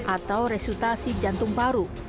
atau resultasi jantung paru